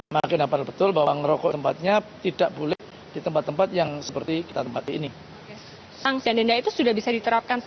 makin hamparan betul bahwa ngerokok tempatnya tidak boleh di tempat tempat yang seperti kita tempati ini